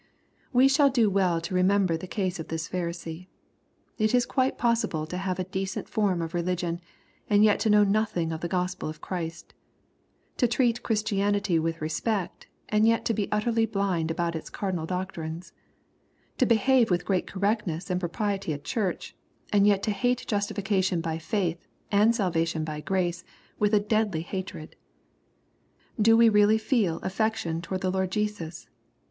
We shall do well to remember the case of this Pharisee. It is quite possible to have a decent form of religion, and yet to know nothing of the Gospel of Christ, — to treat Christianity with respect, and yet to be utterly blind about its cardinal doctrines, — to behave with great correctness and propriety at Church, and yet to hate justification by faith, and salvation by grace, with a deadly hatred. Do we really feel affection toward the Lord Jesus